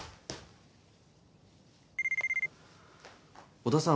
小田さん